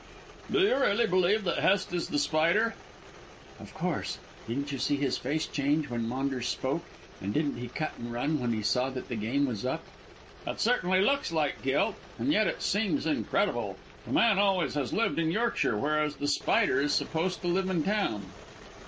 "Do you really believe that Hest is The Spider?" "Of course. Didn't you see his face change when Maunders spoke, and didn't he cut and run when he saw that the game was up?" "It certainly looks like guilt. And yet it seems incredible. The man always has lived in Yorkshire, whereas The Spider is supposed to live in town."